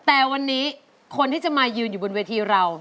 แต่วันนี้คนที่จะมายืนอยู่บนเวทีเรา